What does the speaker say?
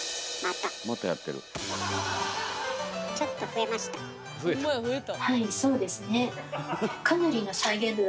ちょっと増えました。